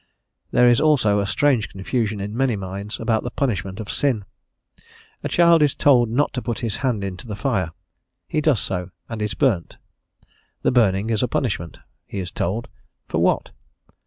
There is also a strange confusion in many minds about the punishment of sin. A child is told not to put his hand into the fire, he does so, and is burnt; the burning is a punishment, he is told; for what?